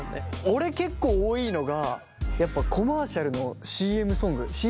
俺結構多いのがやっぱコマーシャルのＣＭソングで。